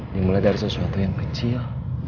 dimulai dari sesuatu yang kecil